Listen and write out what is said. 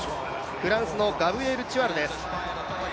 フランスのガブリエル・チュアルです。